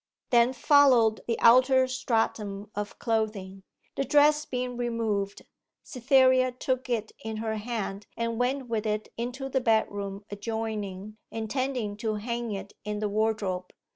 Then followed the outer stratum of clothing. The dress being removed, Cytherea took it in her hand and went with it into the bedroom adjoining, intending to hang it in the wardrobe.